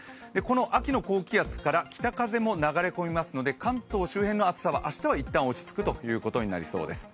秋の高気圧から北風も流れ込みますので関東周辺の暑さは明日は一旦落ち着くということになりそうです。